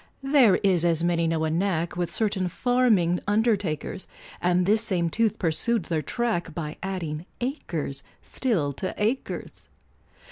There is, as many know, a knack, With certain farming undertakers, And this same tooth pursued their track, By adding achers still to achers!